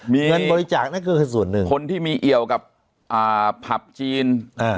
มีเงินบริจาคนั่นก็คือส่วนหนึ่งคนที่มีเอี่ยวกับผับจีน